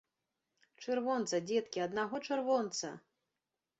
Чырвонца, дзеткі, аднаго чырвонца!